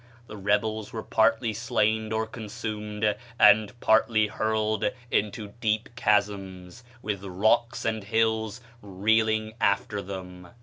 The rebels were partly slain or consumed, and partly hurled into deep chasms, with rocks and hills reeling after them."